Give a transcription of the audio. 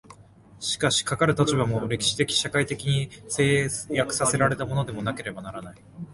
しかしかかる立場も、歴史的社会的に制約せられたものでなければならない。